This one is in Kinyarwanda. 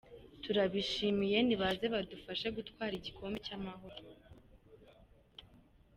Turabishimiye nibaze badufashe gutwara igikombe cya amahoro.